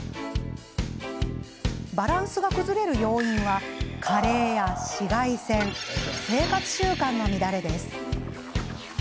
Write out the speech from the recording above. バランスが崩れる要因は加齢や紫外線生活習慣の乱れです。